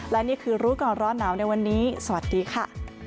และนี่คือรู้ก่อนร้อนหนาวในวันนี้สวัสดีค่ะ